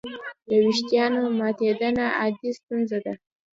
د وېښتیانو ماتېدنه عادي ستونزه ده.